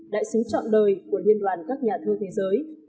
đại sứ trọn đời của liên đoàn các nhà thơ thế giới